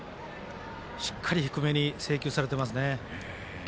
しっかり低めに制球されてますね。